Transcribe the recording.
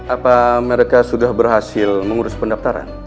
apa mereka sudah berhasil mengurus pendaftaran